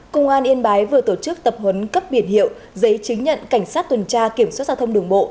công an yên bái vừa tổ chức tập huấn cấp biển hiệu giấy chứng nhận cảnh sát tuần tra kiểm soát giao thông đường bộ